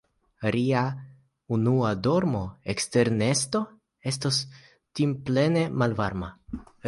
Ria unua dormo ekster la nesto estos timplene malvarma.